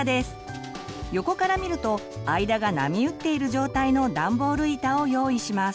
横から見ると間が波打っている状態のダンボール板を用意します。